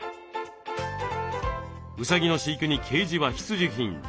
うさぎの飼育にケージは必需品。